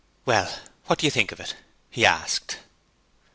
'Well, what do you think of it?' he asked.